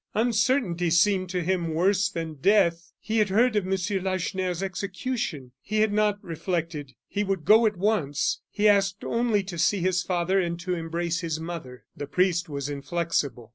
Uncertainty seemed to him worse than death; he had heard of M. Lacheneur's execution; he had not reflected, he would go at once; he asked only to see his father and to embrace his mother. The priest was inflexible.